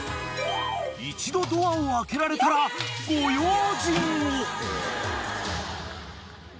［一度ドアを開けられたらご用心を］